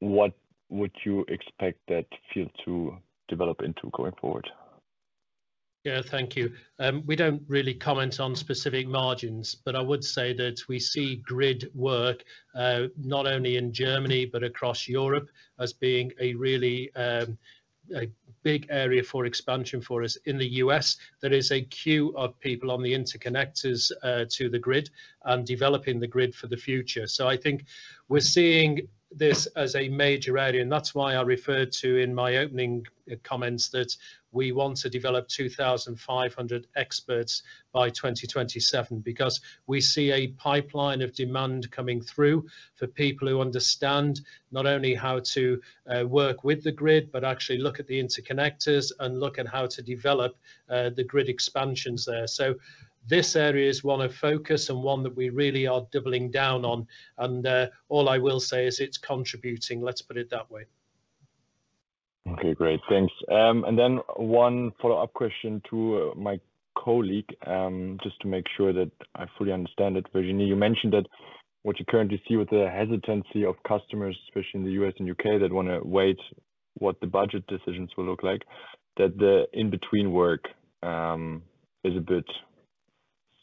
what would you expect that field to develop into going forward? Yeah. Thank you. We don't really comment on specific margins, but I would say that we see grid work not only in Germany but across Europe as being a really big area for expansion for us. In the U.S., there is a queue of people on the interconnectors to the grid and developing the grid for the future. So I think we're seeing this as a major area. And that's why I referred to in my opening comments that we want to develop 2,500 experts by 2027 because we see a pipeline of demand coming through for people who understand not only how to work with the grid, but actually look at the interconnectors and look at how to develop the grid expansions there. So this area is one of focus and one that we really are doubling down on. And all I will say is it's contributing. Let's put it that way. Okay. Great. Thanks. And then one follow-up question to my colleague just to make sure that I fully understand it. Virginie, you mentioned that what you currently see with the hesitancy of customers, especially in the U.S. and U.K., that want to wait what the budget decisions will look like, that the in-between work is a bit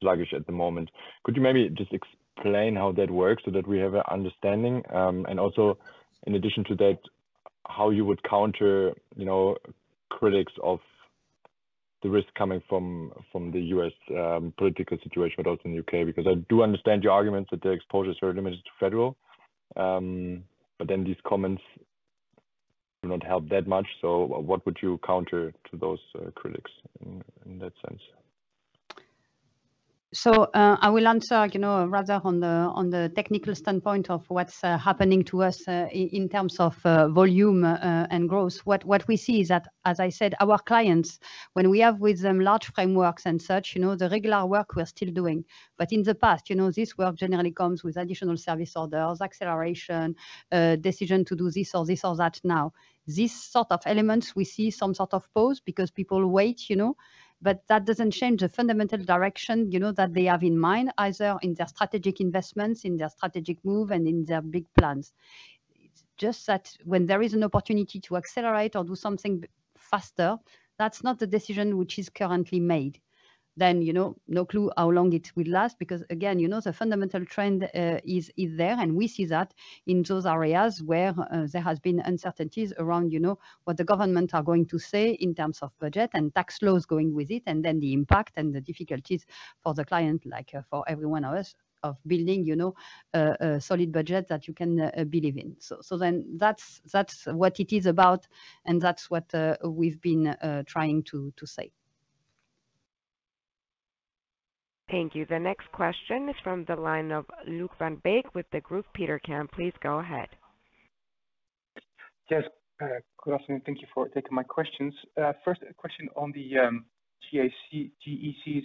sluggish at the moment. Could you maybe just explain how that works so that we have an understanding? And also, in addition to that, how you would counter critics of the risk coming from the U.S. political situation, but also in the U.K.? Because I do understand your arguments that the exposure is very limited to federal, but then these comments do not help that much. So what would you counter to those critics in that sense? So I will answer rather on the technical standpoint of what's happening to us in terms of volume and growth. What we see is that, as I said, our clients, when we have with them large frameworks and such, the regular work we're still doing. But in the past, this work generally comes with additional service orders, acceleration, decision to do this or this or that now. These sort of elements, we see some sort of pause because people wait, but that doesn't change the fundamental direction that they have in mind, either in their strategic investments, in their strategic move, and in their big plans. It's just that when there is an opportunity to accelerate or do something faster, that's not the decision which is currently made. Then no clue how long it will last because, again, the fundamental trend is there, and we see that in those areas where there has been uncertainties around what the government are going to say in terms of budget and tax laws going with it, and then the impact and the difficulties for the client, like for every one of us, of building a solid budget that you can believe in. So then that's what it is about, and that's what we've been trying to say. Thank you. The next question is from the line of Luuk van Beek with Degroof Petercam. Please go ahead. Yes. Good afternoon. Thank you for taking my questions. First, a question on the GECs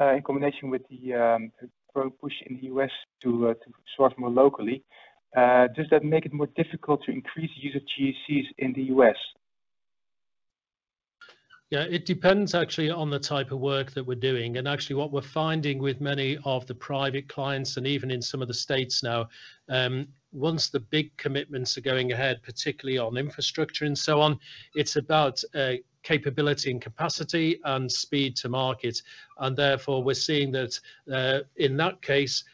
in combination with the growth push in the U.S. to source more locally. Does that make it more difficult to increase the use of GECs in the U.S.? Yeah. It depends actually on the type of work that we're doing. And actually, what we're finding with many of the private clients and even in some of the states now, once the big commitments are going ahead, particularly on infrastructure and so on, it's about capability and capacity and speed to market. And therefore, we're seeing that in that case,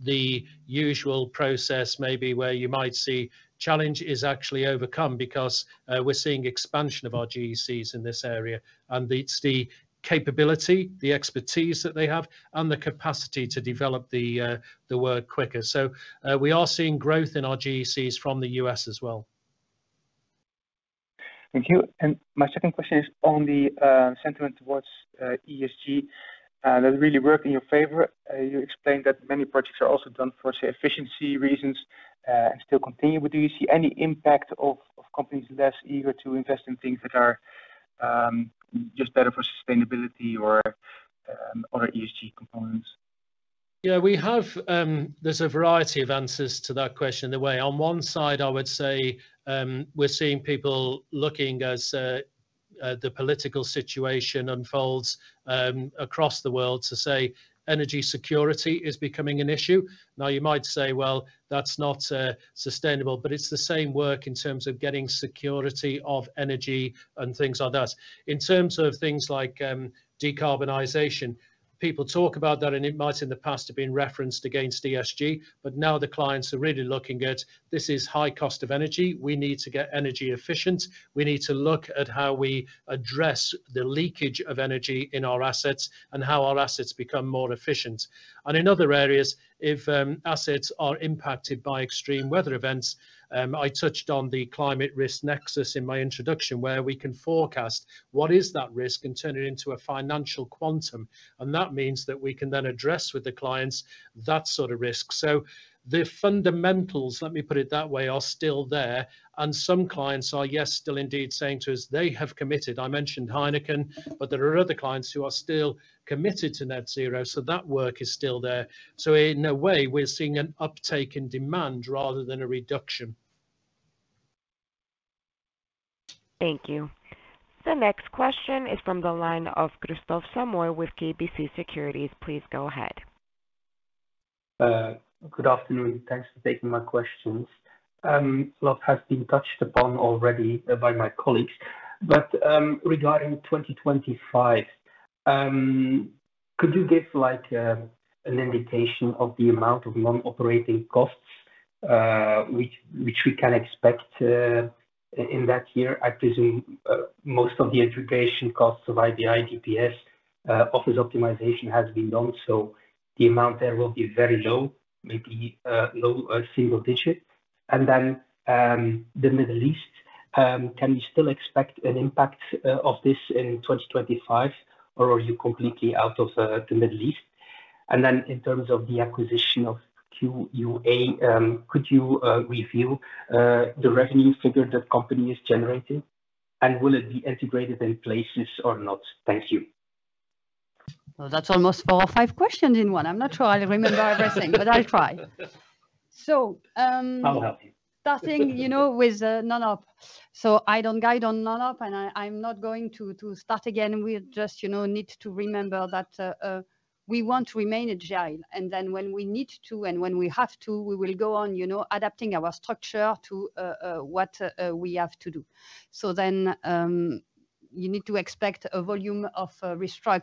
the usual process maybe where you might see challenge is actually overcome because we're seeing expansion of our GECs in this area. And it's the capability, the expertise that they have, and the capacity to develop the work quicker. So we are seeing growth in our GECs from the U.S. as well. Thank you. And my second question is on the sentiment towards ESG. That really worked in your favor. You explained that many projects are also done for, say, efficiency reasons and still continue. But do you see any impact of companies less eager to invest in things that are just better for sustainability or other ESG components? Yeah. There's a variety of answers to that question in a way. On one side, I would say we're seeing people looking as the political situation unfolds across the world to say energy security is becoming an issue. Now, you might say, "Well, that's not sustainable," but it's the same work in terms of getting security of energy and things like that. In terms of things like decarbonization, people talk about that, and it might in the past have been referenced against ESG, but now the clients are really looking at, "This is high cost of energy. We need to get energy efficient. We need to look at how we address the leakage of energy in our assets and how our assets become more efficient." And in other areas, if assets are impacted by extreme weather events, I touched on the Climate Risk Nexus in my introduction where we can forecast what is that risk and turn it into a financial quantum. And that means that we can then address with the clients that sort of risk. So the fundamentals, let me put it that way, are still there. And some clients are, yes, still indeed saying to us they have committed. I mentioned Heineken, but there are other clients who are still committed to net zero. So that work is still there. So in a way, we're seeing an uptake in demand rather than a reduction. Thank you. The next question is from the line of Kristof Samoy with KBC Securities. Please go ahead. Good afternoon. Thanks for taking my questions. A lot has been touched upon already by my colleagues. But regarding 2025, could you give an indication of the amount of non-operating costs which we can expect in that year? I presume most of the integration costs by the IBI and DPS office optimization has been done, so the amount there will be very low, maybe low single digit. And then the Middle East, can we still expect an impact of this in 2025, or are you completely out of the Middle East? And then in terms of the acquisition of KUA, could you review the revenue figure that company is generating? And will it be integrated in Places or not? Thank you. That's almost four or five questions in one. I'm not sure I'll remember everything, but I'll try. So I'll help you. Starting with non-op. So I don't guide on non-op, and I'm not going to start again. We just need to remember that we want to remain agile. And then when we need to and when we have to, we will go on adapting our structure to what we have to do. So then you need to expect a volume of restructuring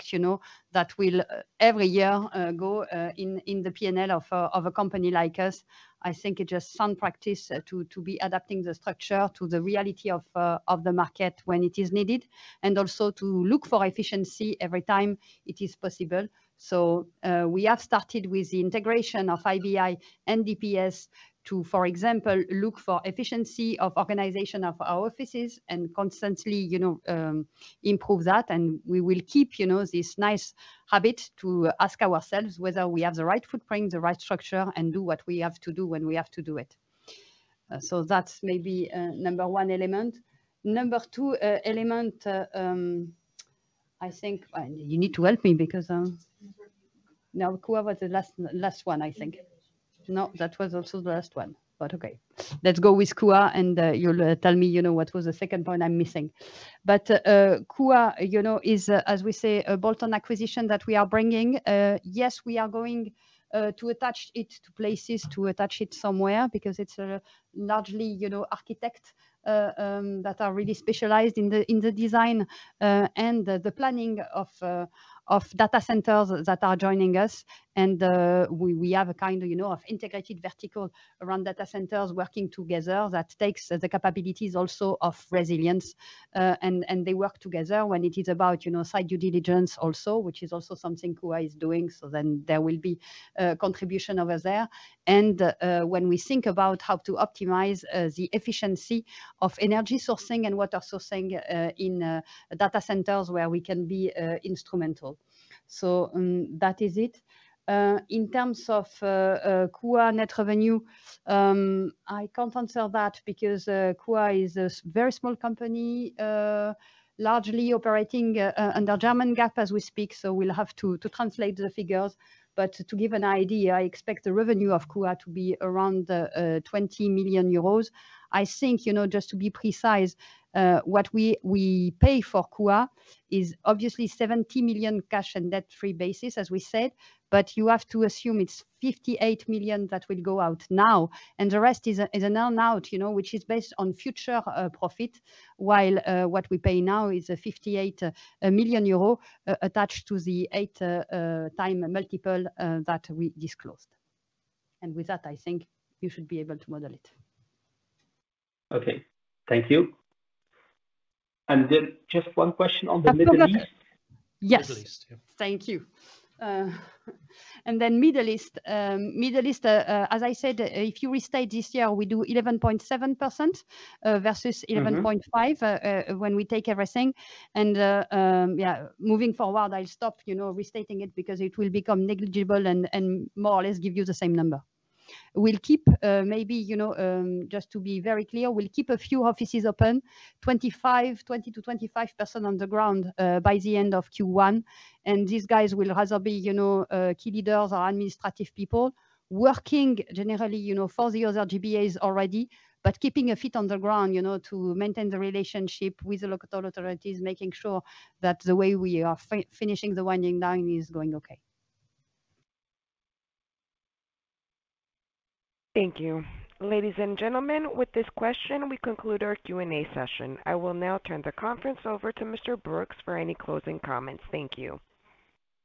that will every year go in the P&L of a company like us. I think it just is sound practice to be adapting the structure to the reality of the market when it is needed and also to look for efficiency every time it is possible. So we have started with the integration of IBI and DPS to, for example, look for efficiency of organization of our offices and constantly improve that. We will keep this nice habit to ask ourselves whether we have the right footprint, the right structure, and do what we have to do when we have to do it. So that's maybe number one element. Number two element, I think you need to help me because now KUA was the last one, I think. No, that was also the last one. But okay. Let's go with KUA, and you'll tell me what was the second point I'm missing. But KUA is, as we say, a bolt-on acquisition that we are bringing. Yes, we are going to attach it to Places, to attach it somewhere because it's largely architects that are really specialized in the design and the planning of data centers that are joining us. And we have a kind of integrated vertical around data centers working together that takes the capabilities also of Resilience. They work together when it is about site due diligence also, which is also something KUA is doing. So then there will be contribution over there. When we think about how to optimize the efficiency of energy sourcing and water sourcing in data centers where we can be instrumental. That is it. In terms of KUA net revenue, I can't answer that because KUA is a very small company, largely operating under German GAAP as we speak. So we'll have to translate the figures. But to give an idea, I expect the revenue of KUA to be around 20 million euros. I think just to be precise, what we pay for KUA is obviously 70 million cash and debt-free basis, as we said, but you have to assume it's 58 million that will go out now. The rest is an earn-out, which is based on future profit, while what we pay now is 58 million euro attached to the eight-time multiple that we disclosed. With that, I think you should be able to model it. Okay. Thank you. Then just one question on the Middle East. Yes. Middle East, yeah. Thank you. Then Middle East, as I said, if you restate this year, we do 11.7% versus 11.5% when we take everything. Yeah, moving forward, I'll stop restating it because it will become negligible and more or less give you the same number. We'll keep maybe just to be very clear, we'll keep a few offices open, 20-25 persons on the ground by the end of Q1.These guys will rather be key leaders or administrative people working generally for the other GBAs already, but keeping a foot on the ground to maintain the relationship with the local authorities, making sure that the way we are finishing the winding down is going okay. Thank you. Ladies and gentlemen, with this question, we conclude our Q&A session. I will now turn the conference over to Mr. Brookes for any closing comments. Thank you.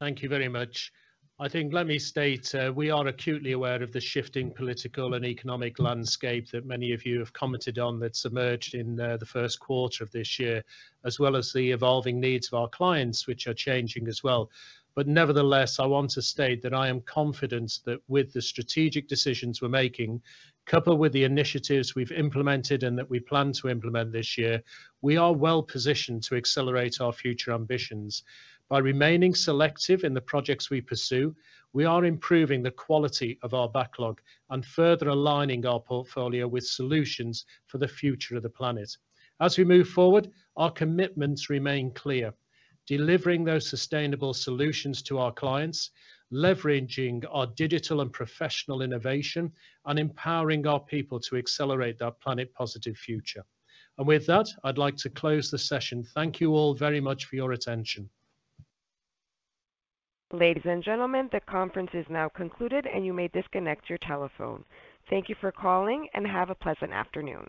Thank you very much. I think, let me state we are acutely aware of the shifting political and economic landscape that many of you have commented on that emerged in the first quarter of this year, as well as the evolving needs of our clients, which are changing as well. But nevertheless, I want to state that I am confident that with the strategic decisions we're making, coupled with the initiatives we've implemented and that we plan to implement this year, we are well positioned to accelerate our future ambitions. By remaining selective in the projects we pursue, we are improving the quality of our backlog and further aligning our portfolio with solutions for the future of the planet. As we move forward, our commitments remain clear: delivering those sustainable solutions to our clients, leveraging our digital and professional innovation, and empowering our people to accelerate that planet-positive future. And with that, I'd like to close the session. Thank you all very much for your attention. Ladies and gentlemen, the conference is now concluded, and you may disconnect your telephone. Thank you for calling, and have a pleasant afternoon.